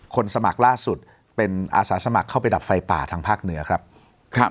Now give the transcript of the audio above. สมัครล่าสุดเป็นอาสาสมัครเข้าไปดับไฟป่าทางภาคเหนือครับครับ